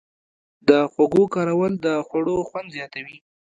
د خوږو کارول د خوړو خوند زیاتوي.